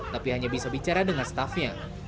tapi hanya bisa bicara dengan staffnya